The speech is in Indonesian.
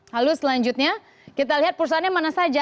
lalu selanjutnya kita lihat perusahaannya mana saja